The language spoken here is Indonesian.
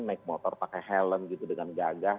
naik motor pakai helm gitu dengan gagah